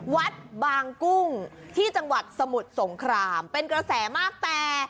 วัดบางกุ้งที่จังหวัดสมุทรสงครามเป็นกระแสมากแต่